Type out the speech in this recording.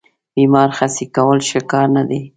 بیمار خسي کول ښه کار نه دی.